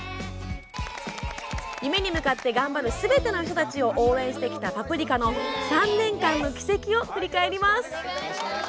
夢に向かって頑張るすべての人たちを応援してきた「パプリカ」の３年間の軌跡を振り返ります。